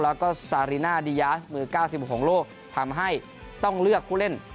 แล้วก็ซาลีนาดียามือเก้าสิบหกลงโลกทำให้ต้องเลือกคู่เล่น